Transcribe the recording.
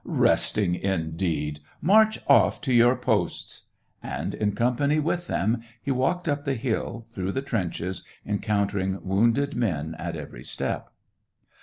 *' Resting indeed ! March off to your posts !" And, in company with them, he walked up the hill through the trenches, encountering wounded men at every step.